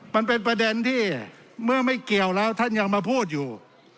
มันเป็นประเด็นที่เมื่อไม่เกี่ยวแล้วท่านยังมาพูดอยู่